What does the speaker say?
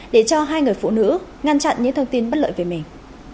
để cho hai người phụ nữ ngăn chặn những thông tin bất lợi về mình